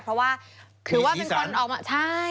เพราะว่าถือว่าเป็นคนออกมาใช่